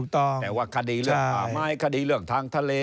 แต่ว่าคดีเรื่องป่าไม้คดีเรื่องทางทะเล